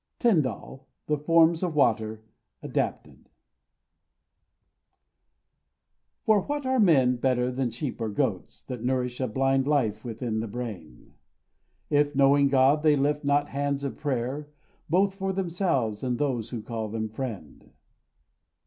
Tyndall: "The Forms of Water." (Adapted) For what are men better than sheep or goats That nourish a blind life within the brain, If, knowing God, they lift not hands of prayer Both for themselves and those who call them friend?